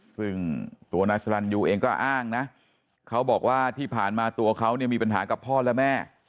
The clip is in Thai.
ซึ่งตัวนายสลันยูเองก็อ้างนะเขาบอกว่าที่ผ่านมาตัวเขาเนี่ยมีปัญหากับพ่อและแม่